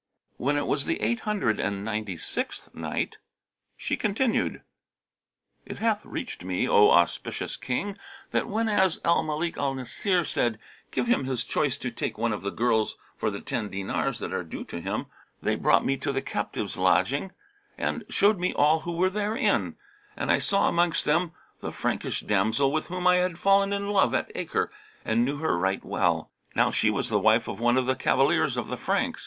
When it was the Eight Hundred and Ninety sixth Night, She continued, It hath reached me, O auspicious King, that whenas Al Malik al Nasir said, "' Give him his choice to take one of the girls for the ten dinars that are due to him;' they brought me to the captives' lodging and showed me all who were therein, and I saw amongst them the Frankish damsel with whom I had fallen in love at Acre and knew her right well. Now she was the wife of one of the cavaliers of the Franks.